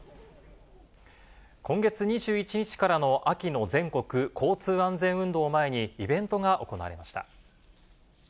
今月２１日からの秋の全国交通安全運動を前に、イベントが行われました。